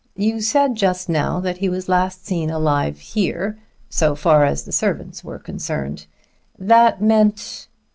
"You said just now that he was last seen alive here, 'so far as the servants were concerned.' That meant